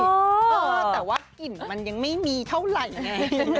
เออแต่ว่ากลิ่นมันยังไม่มีเท่าไหร่ไง